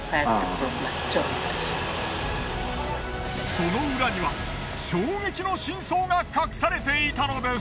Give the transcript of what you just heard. その裏には衝撃の真相が隠されていたのです。